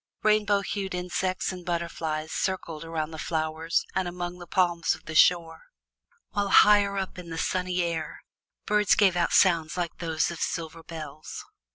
Rainbow hued insects and butterflies circled around the flowers and among the palms of the shore, while higher up in the sunny air birds gave out sounds like those of silver bells.